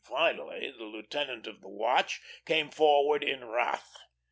Finally the lieutenant of the watch came forward in wrath.